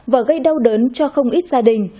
và gây đau đớn cho không ít gia đình